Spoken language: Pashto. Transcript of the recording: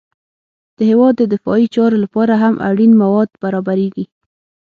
د هېواد د دفاعي چارو لپاره هم اړین مواد برابریږي